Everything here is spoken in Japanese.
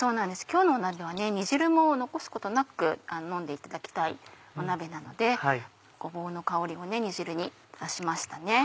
今日の鍋は煮汁も残すことなく飲んでいただきたい鍋なのでごぼうの香りを煮汁に出しました。